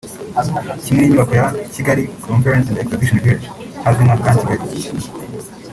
kimwe n’inyubako ya “Kigali Conference and Exhibition Village” hazwi nka Camp Kigali